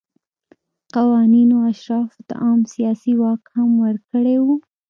قوانینو اشرافو ته عام سیاسي واک هم ورکړی و.